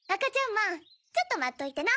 まんちょっとまっといてな。